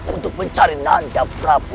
untuk mencari nanda prabu